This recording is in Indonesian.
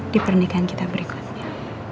di pernikahan kita berikutnya